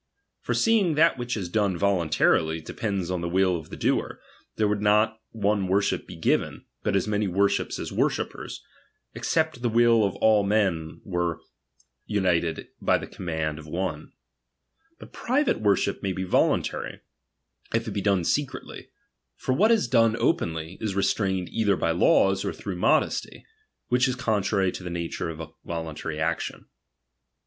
For seeing that which is done volun tarily, depends on the will of the doer, there would not one worship be given, but as many worships as worshippers ; except the will of all men were uni ted by the command of one. But pr/rfl/c worship RELIGION. 213 maybe voluntary, if it be done secretly ; for what is chap, xf done openly, is restrained either by laws or through ''~ modesty ; which is contrary to the nature of a voluntary action.